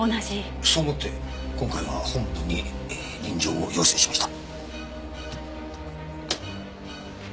そう思って今回は本部に臨場を要請しました。